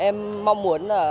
em mong muốn là